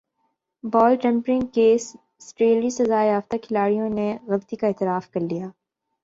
بال tampering case سٹریلوی سزا یافتہ کھلاڑیوں نےغلطی کا اعتراف کر لیا